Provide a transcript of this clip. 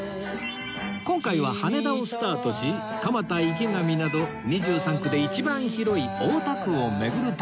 今回は羽田をスタートし蒲田池上など２３区で一番広い大田区を巡る旅